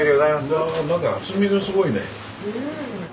うわあなんか厚みがすごいね。